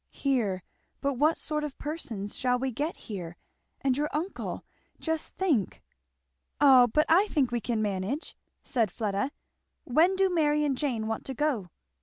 "Here! But what sort of persons shall we get here? And your uncle just think!" "O but I think we can manage," said Fleda. "When do Mary and Jane want to go?"